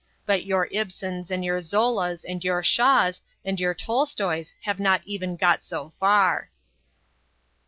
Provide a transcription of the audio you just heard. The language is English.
But your Ibsens and your Zolas and your Shaws and your Tolstoys have not even got so far."